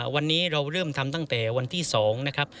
วันนี้เราเริ่มทำตั้งแต่วันที่๒นะครับ